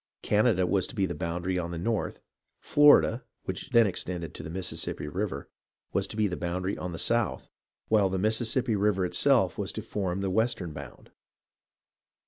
Canada was to be the boundary on the north, Florida (which then extended to the Mississippi River) was to be the boundary on the south, while the Mississippi River itself was to form the western bound.